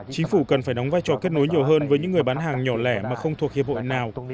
chính phủ cần phải đóng vai trò kết nối nhiều hơn với những người bán hàng nhỏ lẻ mà không thuộc hiệp hội nào